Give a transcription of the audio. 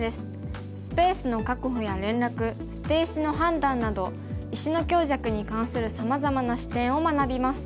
スペースの確保や連絡捨て石の判断など石の強弱に関するさまざまな視点を学びます。